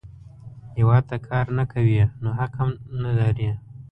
هیواد ته کار نه کوې، نو حق نه لرې